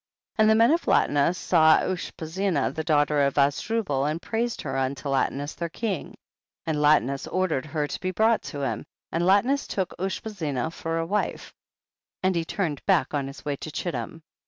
15. And the men of Latinus saw Ushpezena, the daughter of Azdru bal, and praised her unto Latinus their king. 16. And Latinus ordered her to be brought to him, and Latinus took Ushpezena for a wife, and he turned back on his way to Chittim.